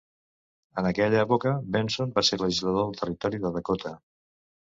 En aquella època, Benson va ser legislador del territori de Dakota.